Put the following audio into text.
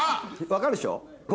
分かるっしょ？